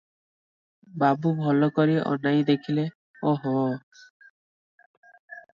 ବାବୁ ଭଲ କରି ଅନାଇ ଦେଖିଲେ, ‘ଓହୋ!